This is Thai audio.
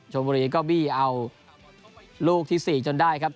ชมบุรีก็บี้เอาลูกที่๔จนได้ครับ